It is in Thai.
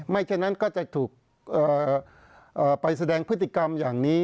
ฉะนั้นก็จะถูกไปแสดงพฤติกรรมอย่างนี้